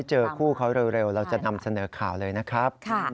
เจอคู่เขาเร็วเราจะนำเสนอข่าวเลยนะครับ